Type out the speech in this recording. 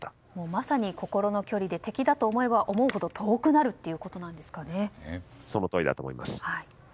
まさに心の距離で敵だと思えば思うほどそのとおりだと思います。